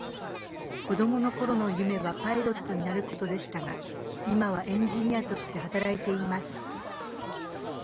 子供の頃の夢はパイロットになることでしたが、今はエンジニアとして働いています。